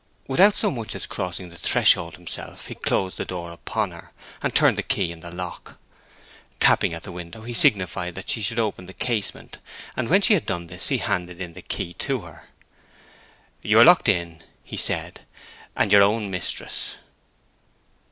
Without so much as crossing the threshold himself, he closed the door upon her, and turned the key in the lock. Tapping at the window, he signified that she should open the casement, and when she had done this he handed in the key to her. "You are locked in," he said; "and your own mistress."